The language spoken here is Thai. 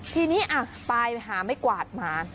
ทีนี้ไปหาไม้กวาดมา